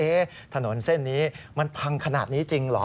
ถนนเส้นนี้มันพังขนาดนี้จริงเหรอ